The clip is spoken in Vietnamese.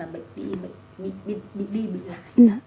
bệnh đi bị lại